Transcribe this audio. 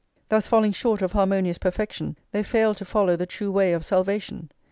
Thus falling short of harmonious [xvii] perfection, they fail to follow the true way of salvation.